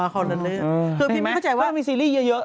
อ๋อเขาลืมคือพี่ไม่เข้าใจว่าถ้ามีซีรีส์เยอะ